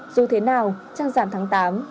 dù thế nào trang giảm tháng tám vẫn tròn đầy và rực rỡ